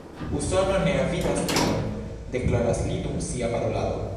Usono ne avidas teron, deklaras li dum sia parolado.